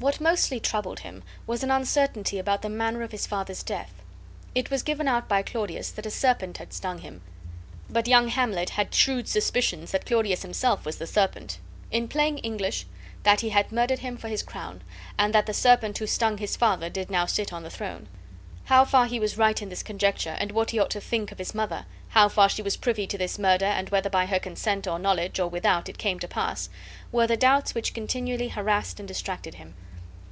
What mostly troubled him was an uncertainty about the manner of his father's death. It was given out by Claudius that a serpent had stung him; but young Hamlet had shrewd suspicions that Claudius himself was the serpent; in plain English, that he had murdered him for his crown, and that the serpent who stung his father did now sit on the throne. How far he was right in this conjecture and what he ought to think of his mother, how far she was privy to this murder and whether by her consent or knowledge, or without, it came to pass, were the doubts which continually harassed and distracted him.